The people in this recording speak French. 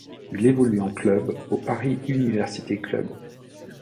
Il évolue en club au Paris Université Club.